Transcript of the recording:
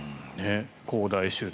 恒大集団。